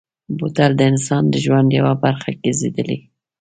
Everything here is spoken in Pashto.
بوتل د انسان د ژوند یوه برخه ګرځېدلې.